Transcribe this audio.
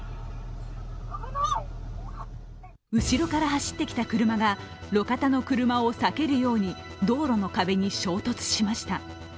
後ろから走ってきた車が路肩の車を避けるように道路の壁に衝突しました。